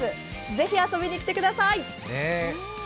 ぜひ、遊びにきてください。